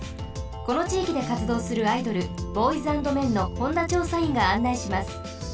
このちいきでかつどうするアイドルＢＯＹＳＡＮＤＭＥＮの本田ちょうさいんがあんないします。